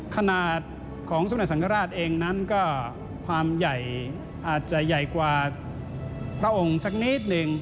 ขนาดของสมเด็จสังฆราชเองนั้นก็ความใหญ่อาจจะใหญ่กว่าพระองค์สักนิดหนึ่ง